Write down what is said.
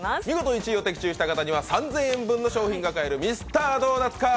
見事１位を的中した方には３０００円分の商品が買えるミスタードーナツ